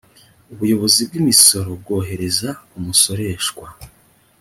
ubuyobozi bw imisoro bwoherereza umusoreshwa